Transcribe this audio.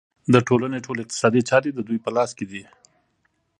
د ټولنې ټولې اقتصادي چارې د دوی په لاس کې دي